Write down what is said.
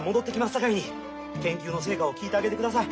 さかいに研究の成果を聞いてあげてください。